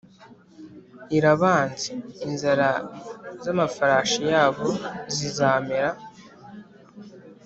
Irabanze inzara z amafarashi yabo zizamera